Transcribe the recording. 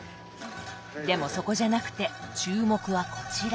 でもそこじゃなくて注目はこちら！